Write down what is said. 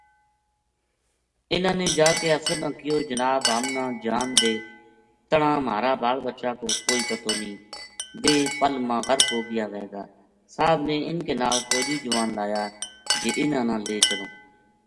اِنھا ں نے جا کے افسر نے کہیو جناب ہم نا جان دے تنہاں مھارا بال بچا کو کوئی پتو نیہہ ویہ پل ما غرق ہو گیا وھے گا صاحب نے اِنھ کے نال فوجی جوان لایا جے اِنھاں نا لے چلوں